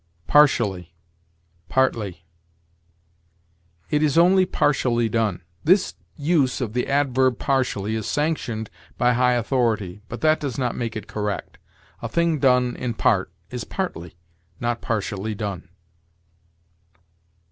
PARTIALLY PARTLY. "It is only partially done." This use of the adverb partially is sanctioned by high authority, but that does not make it correct. A thing done in part is partly, not partially, done.